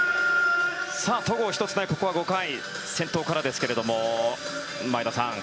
戸郷、ここは５回先頭からですけど前田さん